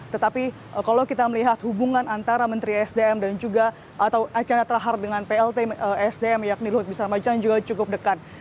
tetapi kalau kita melihat hubungan antara menteri sdm dan juga atau acan ratahar dengan plt sdm yakni lut bisa maju juga cukup dekat